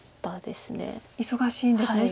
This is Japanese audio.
忙しいんですね